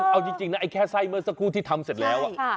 เอาจริงนะไอ้แค่ไส้เมื่อสักครู่ที่ทำเสร็จแล้ว